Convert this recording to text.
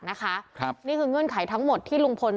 นี่คือเงื่อนไขทั้งหมดที่ลุงพล